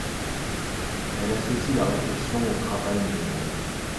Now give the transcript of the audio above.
Elle associe la réflexion au travail manuel.